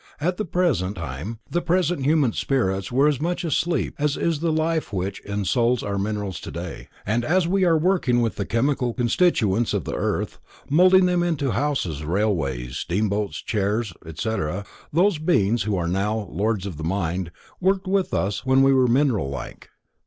At that time the present Human Spirits were as much asleep as is the life which ensouls our minerals of today, and as we are working with the mineral chemical constituents of the earth, molding them into houses, railways, steam boats, chairs, etc, etc., so those beings, who are now Lords of Mind, worked with us when we were mineral like.